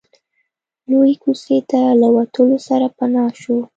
لويې کوڅې ته له وتلو سره پناه شو.